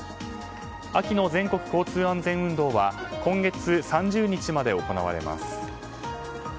秋の全国交通安全運動は今月３０日まで行われます。